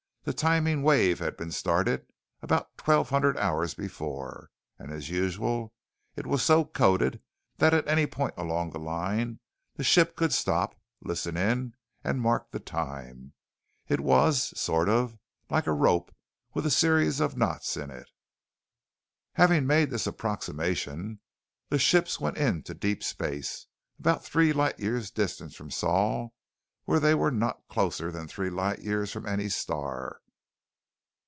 The timing wave had been started about twelve hundred hours before, and as usual, it was so coded that at any point along the line, the ship could stop, listen in, and mark the time. It was, sort of, like a rope with a series of knots in it. "Having made this approximation, the ships went into deep space, about three light years distant from Sol where they were not closer than three light years from any star.